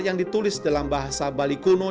yang ditulis dalam bahasa bali kuno